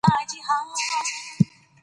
د پديدو تر منځ اړيکي پيدا کړئ.